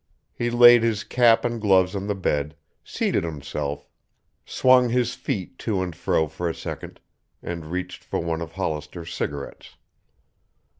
He laid his cap and gloves on the bed, seated himself, swung his feet to and fro for a second, and reached for one of Hollister's cigarettes.